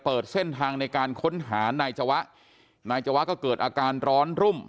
เปิดเส้นทางในการค้นหานายจวะนายจวะก็เกิดอาการร้อนรุ่ม